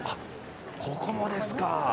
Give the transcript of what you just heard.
ここもですか。